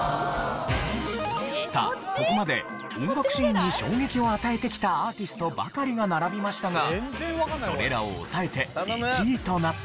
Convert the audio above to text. さあここまで音楽シーンに衝撃を与えてきたアーティストばかりが並びましたがそれらを抑えて１位となった。